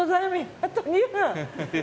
あと２分。